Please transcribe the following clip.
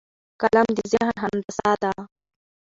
قلم د ذهن هندسه ده